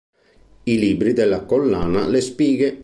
I libri della collana "Le spighe.